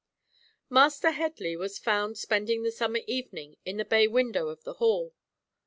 Master Headley was found spending the summer evening in the bay window of the hall.